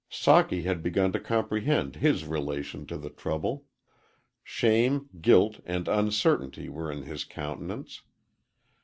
Socky had begun to comprehend his relation to the trouble. Shame, guilt, and uncertainty were in his countenance.